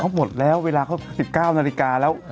เขาหมดแล้วเวลาเขา๑๙นาฬิกาแล้ว